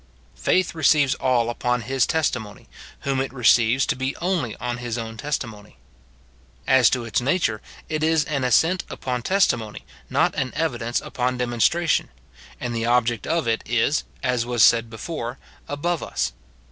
Faith re ceives all upon Jus testimony, whom it receives to be only on his own testimony. As to its nature, it is an assent upon testimony, not an evidence upon demonstration ; and the object of it is, as was said before, above us.